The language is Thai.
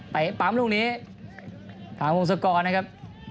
ไปปั๊มลูกนี้ปั๊มวงสุกรนะครับ